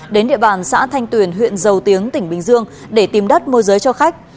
đến địa bàn xã thanh tuyền huyện dầu tiếng tỉnh bình dương để tìm đất môi giới cho khách